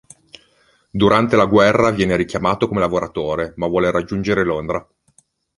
Durante la guerra viene richiamato come lavoratore, ma vuole raggiungere Londra.